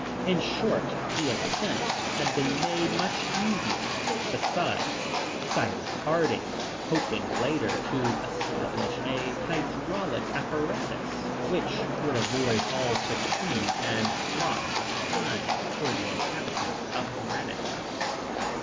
In short the ascent had been made much easier. Besides, Cyrus Harding hoped later to establish an hydraulic apparatus, which would avoid all fatigue and loss of time, for the inhabitants of Granite House.